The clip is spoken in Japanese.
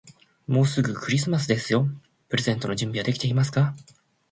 もうすぐクリスマスですよ。プレゼントの準備はできていますか。